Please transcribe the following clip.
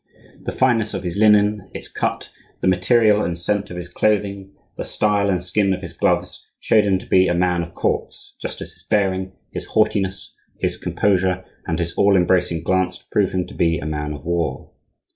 The fineness of his linen, its cut, the material and scent of his clothing, the style and skin of his gloves, showed him to be a man of courts, just as his bearing, his haughtiness, his composure and his all embracing glance proved him to be a man of war.